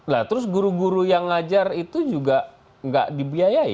lah terus guru guru yang ngajar itu juga nggak dibiayai